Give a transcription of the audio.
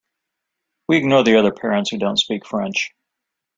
We ignore the other parents who don’t speak French.